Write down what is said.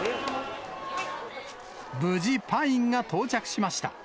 無事、パインが到着しました。